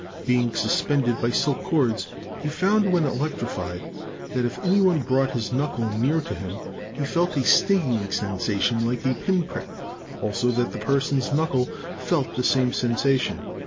'Being suspended by silk cords, he found, when electrified, that, if any one brought his knuckle near to him, he felt a stinging sensation like a pin prick, also that the person's knuckle felt the same sensation.